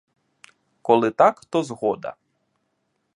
Коли так, то згода.